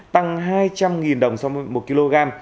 tăng hai trăm linh đồng một kg